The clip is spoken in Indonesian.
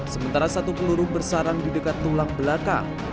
sementara satu peluru bersarang di dekat tulang belakang